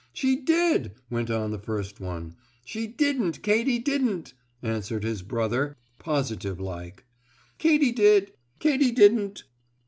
"She did!" went on the first one. "She didn't! Katy didn't!" answered his brother, positive like. "Katy did!" "Katy didn't!"